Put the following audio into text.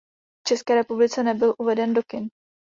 V České republice nebyl uveden do kin.